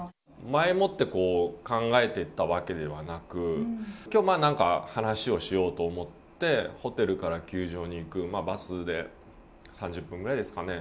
前もって考えていたのではなく今日何か話をしようと思ってホテルから球場に行くバスで３０分ぐらいですかね